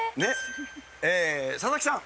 佐々木さん。